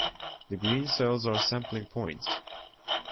The green cells are sampling points.